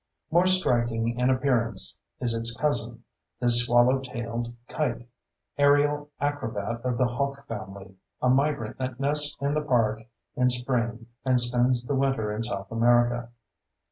More striking in appearance is its cousin, the swallow tailed kite, aerial acrobat of the hawk family—a migrant that nests in the park in spring and spends the winter in South America.